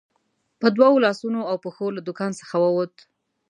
په دوو لاسو او پښو له دوکان څخه ووت.